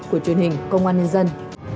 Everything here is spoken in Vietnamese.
của truyền hình công an nhân dân